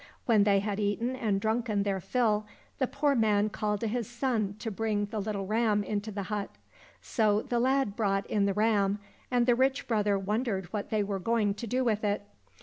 When they had eaten and drunken their fill, the poor man called to his son to bring the little ram into the hut. So the lad brought in the ram, and the rich brother wondered what they were going to do with it.